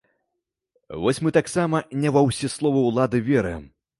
Вось мы таксама не ва ўсе словы улады верым!